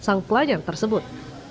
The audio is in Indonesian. sang pelajar tersebut